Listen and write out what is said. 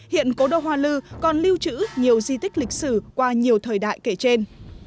hiện cố đô hoa lư còn lưu trữ nhiều di tích lịch sử qua nhiều thời đại kể trên